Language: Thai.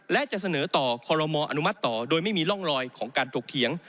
และจะเสนอต่อคอลโลมออนุมัติต่อโดยไม่มีร่องลอยของการถกเถียง